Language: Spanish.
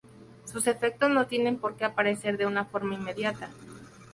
Sus efectos no tienen porque aparecer de una forma inmediata.